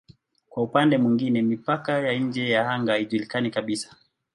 Kwa upande mwingine mipaka ya nje ya anga haijulikani kabisa.